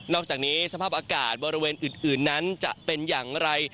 อกจากนี้สภาพอากาศบริเวณอื่นนั้นจะเป็นอย่างไร